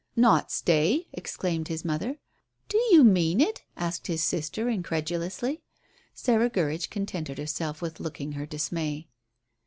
"Not stay?" exclaimed his mother. "Do you mean it?" asked his sister incredulously. Sarah Gurridge contented herself with looking her dismay.